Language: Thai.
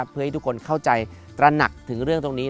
เพื่อให้ทุกคนเข้าใจตระหนักถึงเรื่องตรงนี้